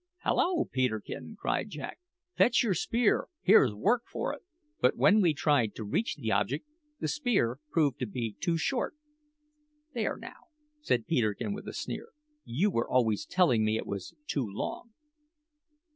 "Hallo, Peterkin!" cried Jack. "Fetch your spear; here's work for it!" But when we tried to reach the object, the spear proved to be too short. "There, now," said Peterkin with a sneer; "you were always telling me it was too long."